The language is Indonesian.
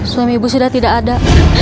suami ibu sudah tidak ada